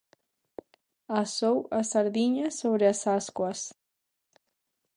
Asou as sardiñas sobre as ascuas.